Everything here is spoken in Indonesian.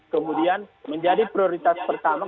kemudian menjadi prioritas pertama